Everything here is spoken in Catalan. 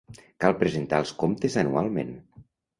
Cal presentar els comptes anualment.